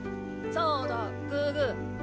そうだグーグー。